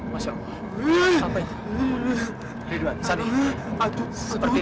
masyarakat ini bukan tempat biasa